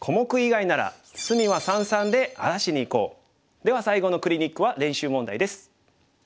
では最後のクリニックは練習問題です。